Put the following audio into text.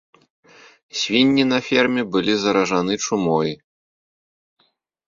Свінні на ферме былі заражаны чумой.